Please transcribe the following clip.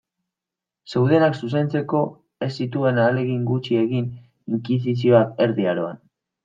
Zeudenak zuzentzeko ez zituen ahalegin gutxi egin inkisizioak Erdi Aroan.